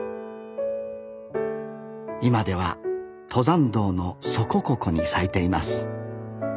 今では登山道のそこここに咲いています